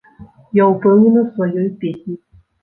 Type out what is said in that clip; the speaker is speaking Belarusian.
Я ўпэўнены ў сваёй песні.